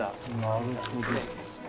なるほど。